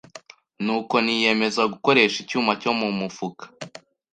nuko niyemeza gukoresha icyuma cyo mu mufuka.